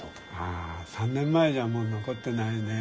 あ３年前じゃもう残ってないね。